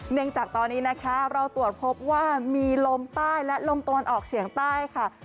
จากตอนนี้นะคะเราตรวจพบว่ามีลมใต้และลมตะวันออกเฉียงใต้ค่ะ